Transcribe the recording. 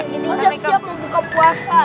indonesia siap siap mau buka puasa